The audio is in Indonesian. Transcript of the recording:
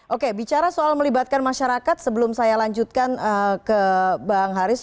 oke bicara soal melibatkan masyarakat sebelum saya lanjutkan ke bang haris